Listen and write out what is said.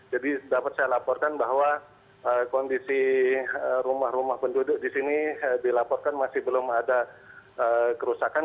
jadi dapat saya laporkan bahwa kondisi rumah rumah penduduk di sini dilaporkan masih belum ada kerusakan